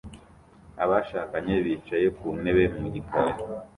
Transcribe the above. Abashakanye bicaye ku ntebe mu gikari